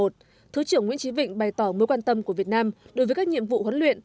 thứ trưởng nguyễn trí vịnh bày tỏ mối quan tâm của việt nam đối với các nhiệm vụ huấn luyện